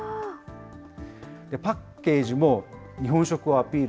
パッケージも日本食をアピー